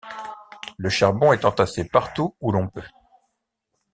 Le charbon est entassé partout où l'on peut.